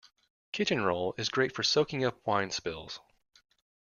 Kitchen roll is great for soaking up wine spills.